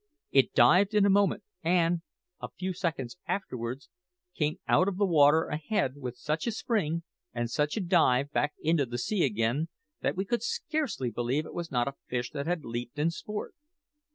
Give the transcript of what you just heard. It dived in a moment, and, a few seconds afterwards, came out of the water far ahead with such a spring, and such a dive back into the sea again, that we could scarcely believe it was not a fish that had leaped in sport.